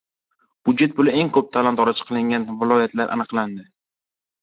Budjet puli eng ko‘p talon-toroj qilingan viloyatlar aniqlandi